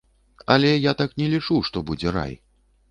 Але я так не лічу, што будзе рай.